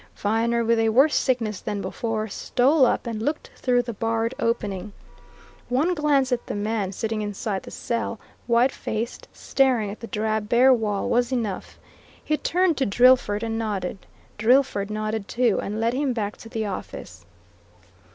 Viner, with a worse sickness than before, stole up and looked through the barred opening. One glance at the man sitting inside the cell, white faced, staring at the drab, bare wall, was enough; he turned to Drillford and nodded. Drillford nodded too, and led him back to the office.